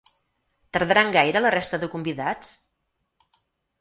Tardaran gaire la resta de convidats?